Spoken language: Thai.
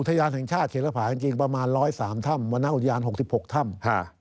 อุทยานแห่งชาติเฉลภาคันจริงประมาณ๑๐๓ถ้ำวันนั้นอุทยาน๖๖ถ้ำ